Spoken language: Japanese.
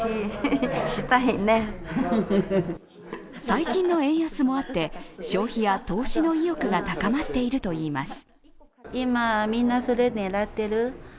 最近の円安もあって消費や投資の意欲が高まっているといいます。